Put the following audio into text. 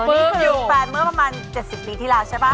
ดูแฟนเมื่อประมาณ๗๐ปีที่แล้วใช่เปล่า